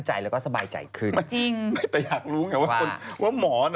หนูว่าเขาใส่ให้มีความรู้สึกเหมือนกัน